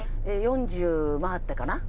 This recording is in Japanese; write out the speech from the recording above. ４０回ってかな。